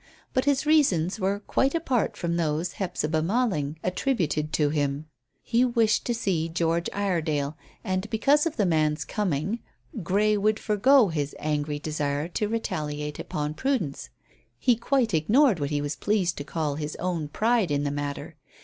But his reasons were quite apart from those Hephzibah Malling attributed to him. He wished to see George Iredale, and because of the man's coming Grey would forego his angry desire to retaliate upon Prudence. He quite ignored what he was pleased to call his own pride in the matter.